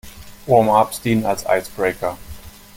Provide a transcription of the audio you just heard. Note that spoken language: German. Warm-ups dienen als Icebreaker.